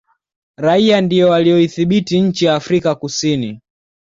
raia ndio waliyoidhibiti nchi ya afrika kusini